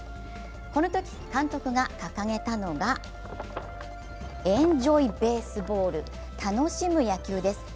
このとき監督が掲げたのが「エンジョイ・ベースボール」、楽しむ野球です。